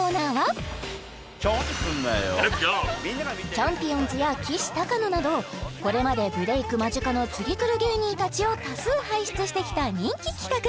ちゃんぴおんずやきしたかのなどこれまでブレイク間近の次くる芸人たちを多数輩出してきた人気企画